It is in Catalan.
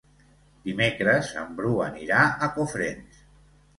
Dimecres en Bru anirà a Cofrents.